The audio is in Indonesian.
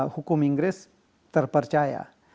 hukum inggris terpercaya